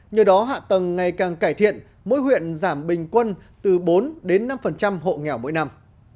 nhờ đó hạ tầng ngày càng cải thiện mỗi huyện giảm bình quân từ bốn đến năm hộ nghèo mỗi năm